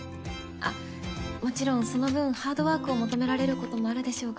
あっもちろんその分ハードワークを求められることもあるでしょうが。